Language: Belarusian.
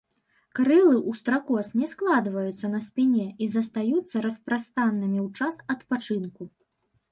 Крылы ў стракоз не складваюцца на спіне і застаюцца распрастанымі ў час адпачынку.